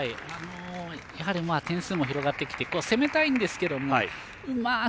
やはり点数も広がってきて攻めたいんですけどうまく